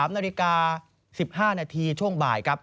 ๑๓นาฬิกา๑๕นาทีช่วงบ่าย